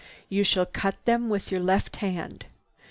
You shall cut them with your left hand.